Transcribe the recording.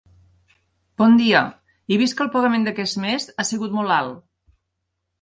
Bon dia, he vist que el pagament d'aquest més ha sigut molt alt.